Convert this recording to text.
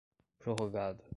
prorrogado